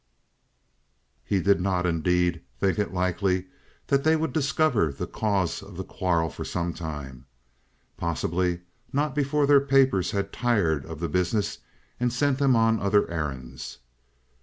He did not, indeed, think it likely that they would discover the cause of the quarrel for some time possibly not before their papers had tired of the business and sent them on other errands.